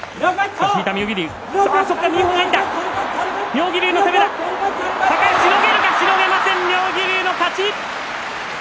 妙義龍の勝ち。